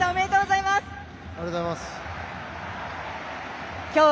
おめでとうございます。